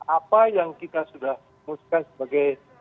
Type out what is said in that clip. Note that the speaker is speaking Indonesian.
apa yang kita sudah mengusulkan sebagai